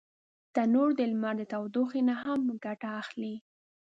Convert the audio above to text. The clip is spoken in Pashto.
تنور د لمر د تودوخي نه هم ګټه اخلي